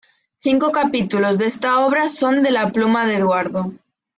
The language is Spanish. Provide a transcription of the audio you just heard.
Cinco capítulos de esta obra son de la pluma de Eduardo.